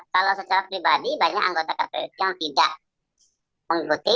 kalau secara pribadi banyak anggota kpu yang tidak mengikuti